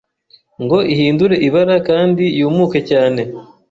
ngo ihindure ibara kandi yumuke cyane.